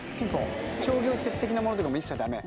商業施設的なものとかも一切ダメ。